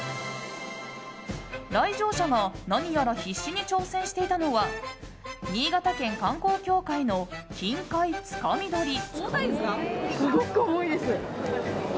来場者が何やら必死に挑戦していたのは新潟県観光協会の金塊つかみ取り。